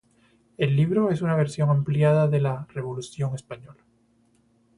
El libro es una versión ampliada de "La Revolución Española.